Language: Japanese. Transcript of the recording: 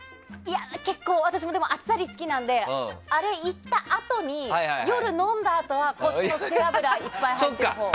私もあっさり好きなのであれ行ったあとに夜飲んだあとはこっちの背油がいっぱい入ってるほう。